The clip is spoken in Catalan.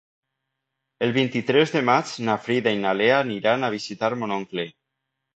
El vint-i-tres de maig na Frida i na Lea aniran a visitar mon oncle.